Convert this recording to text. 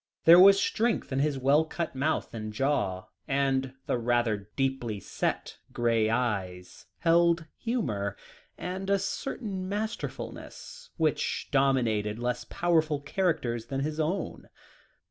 There was strength in his well cut mouth and jaw; and the rather deeply set grey eyes held humour, and a certain masterfulness, which dominated less powerful characters than his own.